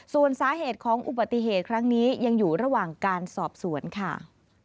ส่วนสาเหตุของอุบัติเหตุครั้งนี้ยังอยู่ระหว่างการสอบสวนค่ะ